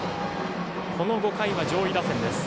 この５回は上位打線です。